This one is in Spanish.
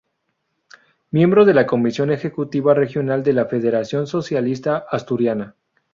Miembro de la Comisión Ejecutiva Regional de la Federación Socialista Asturiana.